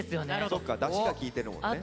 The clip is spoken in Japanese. そっかだしが利いてるもんね。